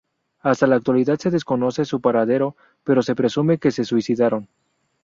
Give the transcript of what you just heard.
Hasta la actualidad se desconoce su paradero, pero se presume que se suicidaron.